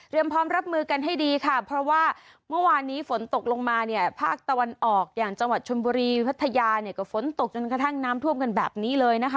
พร้อมรับมือกันให้ดีค่ะเพราะว่าเมื่อวานนี้ฝนตกลงมาเนี่ยภาคตะวันออกอย่างจังหวัดชนบุรีพัทยาเนี่ยก็ฝนตกจนกระทั่งน้ำท่วมกันแบบนี้เลยนะคะ